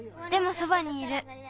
でもそばにいる。